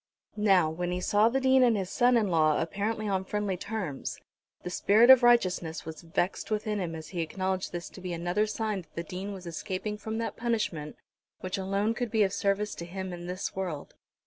Now, when he saw the Dean and his son in law apparently on friendly terms, the spirit of righteousness was vexed within him as he acknowledged this to be another sign that the Dean was escaping from that punishment which alone could be of service to him in this world.